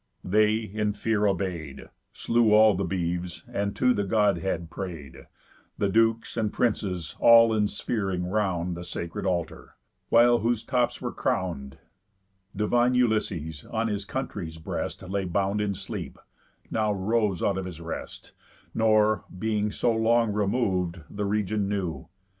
They, in fear, obey'd, Slew all the beeves, and to the Godhead pray'd, The dukes and princes all ensphering round The sacred altar; while whose tops were crown'd, Divine Ulysses, on his country's breast Laid bound in sleep, now rose out of his rest, Nor (being so long remov'd) the region knew.